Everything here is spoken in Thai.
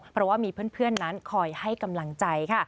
เพราะว่ามีเพื่อนนั้นคอยให้กำลังใจค่ะ